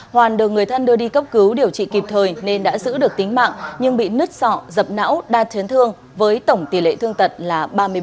hoàn được người thân đưa đi cấp cứu điều trị kịp thời nên đã giữ được tính mạng nhưng bị nứt sọ dập não đa chấn thương với tổng tỷ lệ thương tật là ba mươi bảy